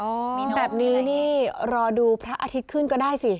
มีโน้มอะไรอย่างนี้อ๋อแบบนี้นี่รอดูพระอาทิตย์ขึ้นก็ได้สิ